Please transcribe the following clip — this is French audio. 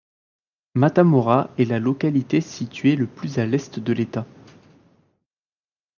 Matamoras est la localité située le plus à l’est de l’État.